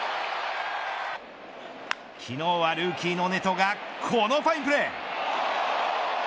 昨日はルーキーのネトがこのファインプレー。